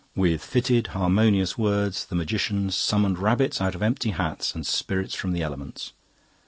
With fitted, harmonious words the magicians summoned rabbits out of empty hats and spirits from the elements.